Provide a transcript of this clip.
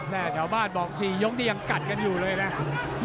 แถวบ้านบอก๔ยกนี่ยังกัดกันอยู่เลยนะ